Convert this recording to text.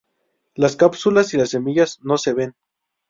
Las cápsulas y las semillas no se ven.